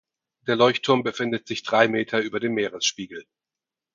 Der Leuchtturm befindet sich drei Meter über dem Meeresspiegel.